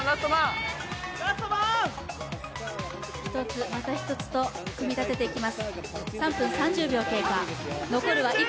１つ、また１つと組み立てていきます